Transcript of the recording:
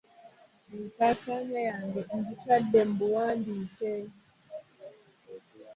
Ensaasaanya yange ngitadde mu buwandiike.